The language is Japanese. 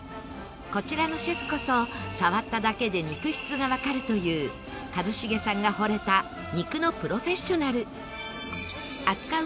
こちらのシェフこそ触っただけで肉質がわかるという一茂さんがほれた肉のプロフェッショナル扱う